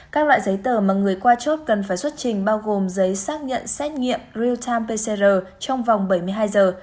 các loại giấy tờ mà người qua chốt cần phải xuất trình bao gồm giấy xác nhận xét nghiệm real time pcr trong vòng bảy mươi hai giờ